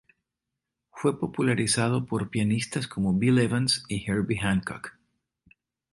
Fue popularizado por pianistas como Bill Evans y Herbie Hancock.